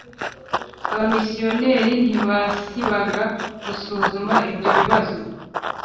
Abamisiyoneri ntibasibaga gusuzuma ibyo bibazo